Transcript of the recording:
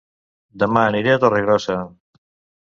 Dema aniré a Torregrossa